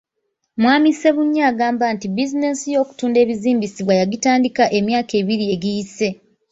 Mwami Ssebunya agamba nti bizinensi y’okutunda ebizimbisibwa yagitandika emyaka abiri egiyise.